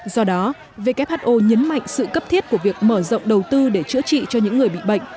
do đó who nhấn mạnh sự cấp thiết của việc mở rộng đầu tư để chữa trị cho những người bị bệnh